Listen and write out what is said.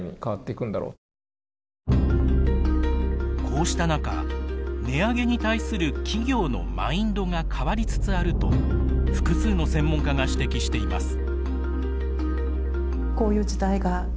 こうした中値上げに対する企業のマインドが変わりつつあると複数の専門家が指摘しています。